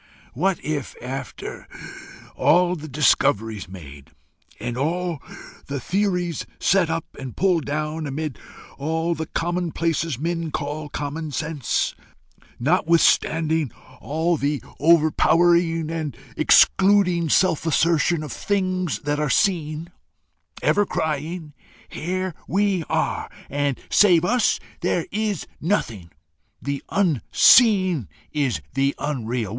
what if, after all the discoveries made, and all the theories set up and pulled down, amid all the commonplaces men call common sense, notwithstanding all the over powering and excluding self assertion of things that are seen, ever crying, 'Here we are, and save us there is nothing: the Unseen is the Unreal!